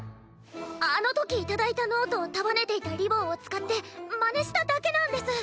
あのとき頂いたノートを束ねていたリボンを使ってまねしただけなんです。